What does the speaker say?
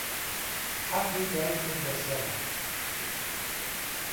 حهقی دایکمت لهسهره